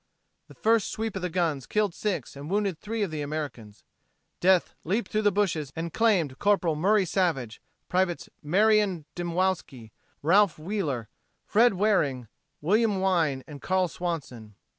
The first sweep of the guns killed six and wounded three of the Americans. Death leaped through the bushes and claimed Corporal Murray Savage, Privates Maryan Dymowski, Ralph Weiler, Fred Wareing, William Wine and Carl Swanson.